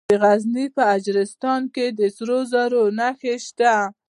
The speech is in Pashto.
د غزني په اجرستان کې د سرو زرو نښې شته.